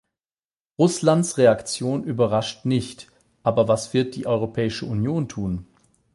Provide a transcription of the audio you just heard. Russlands Reaktion überrascht nicht, aber was wird die Europäische Union tun?